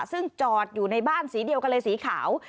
ซึ่งจอดอยู่ในบ้านสีเดียวกันเลยสีขาว